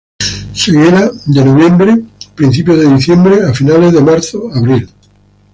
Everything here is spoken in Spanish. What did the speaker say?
Se hiela de noviembre-principios de diciembre a finales de marzo-abril.